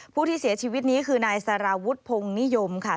ผู้ที่เสียชีวิตนี้คือนายสารวุฒิพงศ์นิยมค่ะ